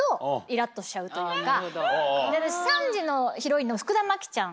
３時のヒロインの福田麻貴ちゃん。